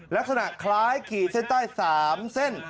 ลักษณะคล้ายขี่เส้นใต้๓เส้น